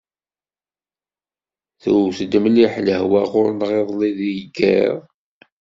Tewt-d mliḥ lehwa ɣur-neɣ iḍelli deg yiḍ.